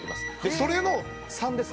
それの３です